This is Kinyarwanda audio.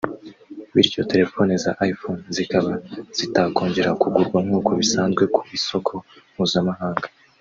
bityo telefoni za iPhone zikaba zitakongera kugurwa nkuko bisanzwe ku isoko mpuzamahanga